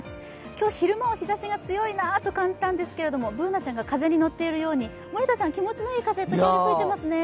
今日、昼間は日ざしが強いなと感じたんですけれどもＢｏｏｎａちゃんが風に乗っているように森田さん、気持ちいい風時折吹いてますね。